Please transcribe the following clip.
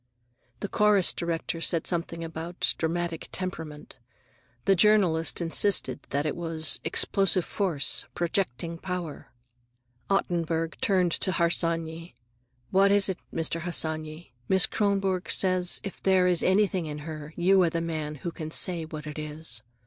The chorus director said something about "dramatic temperament." The journalist insisted that it was "explosive force," "projecting power." Ottenburg turned to Harsanyi. "What is it, Mr. Harsanyi? Miss Kronborg says if there is anything in her, you are the man who can say what it is."